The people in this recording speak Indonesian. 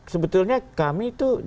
sebetulnya kami itu